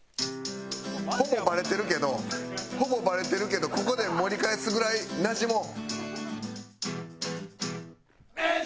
ほぼバレてるけどほぼバレてるけどここで盛り返すぐらいなじもう。